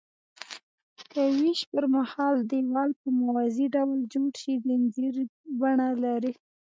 که ویش پرمهال دیوال په موازي ډول جوړ شي ځنځیري بڼه لري.